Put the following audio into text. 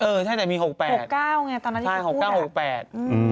เออใช่แต่มีหกแปดเก้าไงตอนนั้นใช่หกเก้าหกแปดอืม